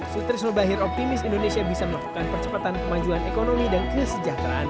sutrisno bahir optimis indonesia bisa melakukan percepatan kemajuan ekonomi dan kesejahteraan